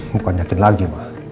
bukan yakin lagi